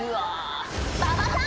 馬場さん。